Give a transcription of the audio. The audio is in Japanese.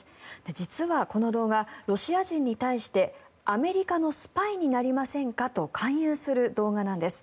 実は、この動画ロシア人に対してアメリカのスパイになりませんかと勧誘する動画なんです。